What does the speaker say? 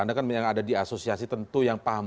anda kan yang ada di asosiasi tentu yang paham